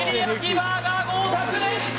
バーガー合格です